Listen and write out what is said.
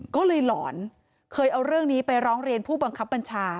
ก็เลยหลอนเคยเอาเรื่องนี้ไปร้องเรียนผู้บังคับบัญชา